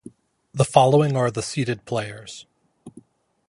The following are the seeded players.